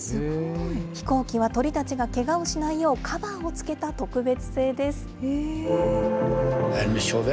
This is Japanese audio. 飛行機は鳥たちがけがをしないよう、カバーを付けた特別製です。